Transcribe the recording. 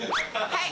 はい。